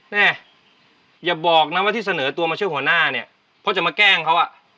แม่อย่าบอกนะว่าที่เสนอตัวมาช่วยหัวหน้าเนี่ยเพราะจะมาแกล้งเขาอ่ะ